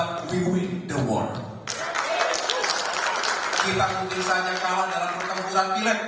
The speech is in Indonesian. kita mungkin kalah dalam pertempuran pilihan